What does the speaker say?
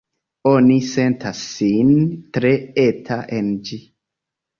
Oni sentas sin tre eta en ĝi.